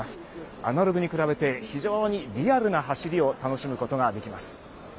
アナログに比べて非常にリアルな走りを楽しむことができます。